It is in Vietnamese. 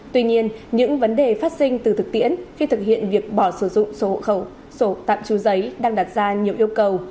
tuy nhiên những vấn đề phát sinh từ thực tiễn khi thực hiện việc bỏ sổ dụng sổ hộ khẩu sổ tạm chú giấy đang đạt ra nhiều ưu cầu